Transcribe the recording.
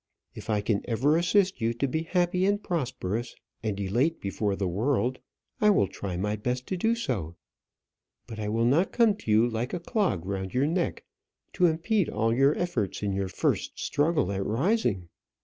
If I can ever assist you to be happy, and prosperous, and elate before the world, I will try my best to do so; but I will not come to you like a clog round your neck, to impede all your efforts in your first struggle at rising.